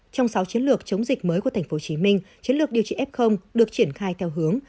trong sáu chiến lược chống dịch mới của tp hcm chiến lược điều trị f được triển khai theo hướng